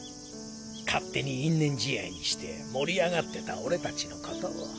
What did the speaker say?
勝手に因縁試合にして盛り上がってた俺達のことを。